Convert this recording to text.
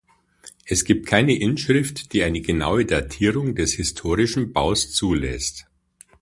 Es gibt keine Inschrift, die eine genaue Datierung des historischen Baus zulässt.